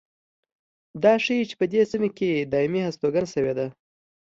دا ښيي چې په دې سیمه کې دایمي هستوګنه شوې ده